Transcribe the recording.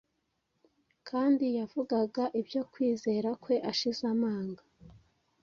kandi yavugaga ibyo kwizera kwe ashize amanga.